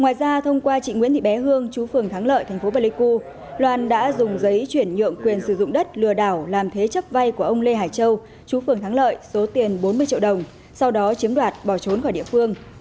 ngoài ra thông qua chị nguyễn thị bé hương chú phường thắng lợi thành phố pleiku loan đã dùng giấy chuyển nhượng quyền sử dụng đất lừa đảo làm thế chấp vay của ông lê hải châu chú phường thắng lợi số tiền bốn mươi triệu đồng sau đó chiếm đoạt bỏ trốn khỏi địa phương